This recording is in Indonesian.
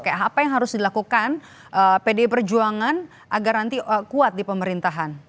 oke apa yang harus dilakukan pdi perjuangan agar nanti kuat di pemerintahan